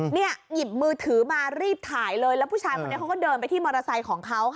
หยิบมือถือมารีบถ่ายเลยแล้วผู้ชายคนนี้เขาก็เดินไปที่มอเตอร์ไซค์ของเขา